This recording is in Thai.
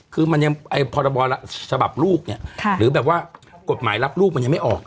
คือมันยังไอ้พรบฉบับลูกเนี่ยหรือแบบว่ากฎหมายรับลูกมันยังไม่ออก